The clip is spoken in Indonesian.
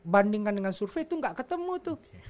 bandingkan dengan survei itu gak ketemu tuh